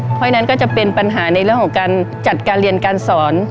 เพราะฉะนั้นก็จะเป็นปัญหาในเรื่องของการจัดการเรียนการสอน